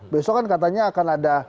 besok kan katanya akan ada